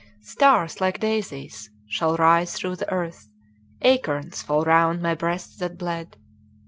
Stars, like daisies, shall rise through the earth, Acorns fall round my breast that bled.